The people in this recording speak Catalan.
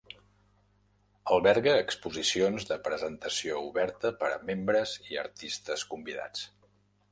Alberga exposicions de presentació oberta per a membres i artistes convidats.